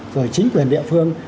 rồi chính quyền địa phương